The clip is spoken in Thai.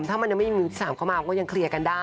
ถ้ามันยังไม่มีมือที่๓เข้ามามันก็ยังเคลียร์กันได้